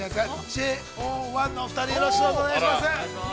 ＪＯ１のお二人、よろしくお願いします。